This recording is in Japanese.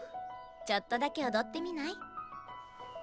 ちょっとだけ踊ってみない？